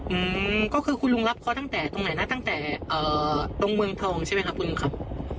อืมก็คือคุณลุงรับเขาตั้งแต่ตรงไหนนะตั้งแต่เอ่อตรงเมืองทองใช่ไหมครับคุณลุงครับ